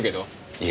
いえ。